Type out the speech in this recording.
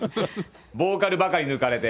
ボーカルばかり抜かれて。